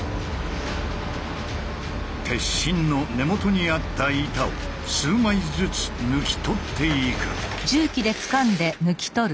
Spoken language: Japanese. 鉄心の根元にあった板を数枚ずつ抜き取っていく。